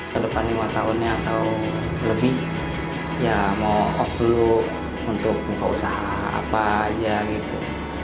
kedepan lima tahunnya atau lebih ya mau off dulu untuk usaha apa aja gitu